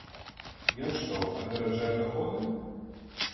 Ён што, апераджае даходы?